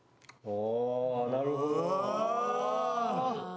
おなるほど。